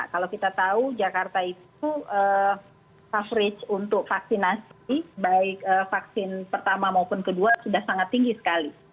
kalau kita tahu jakarta itu coverage untuk vaksinasi baik vaksin pertama maupun kedua sudah sangat tinggi sekali